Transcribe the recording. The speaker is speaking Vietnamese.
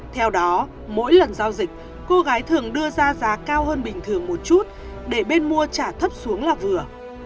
theo đó mỗi lần giao dịch cô gái thường đưa ra giá cao hơn bình thường một chút để bên mua trả thấp xuống là vừa